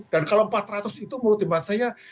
dan kalau empat ratus itu menurut iman saya